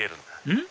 うん？